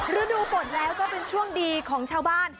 ฤดูฝนแล้วก็เป็นช่วงดีของชาวบ้าน